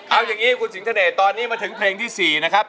เอาอย่างนี้คุณสิงเสน่ห์ตอนนี้มาถึงเพลงที่๔นะครับ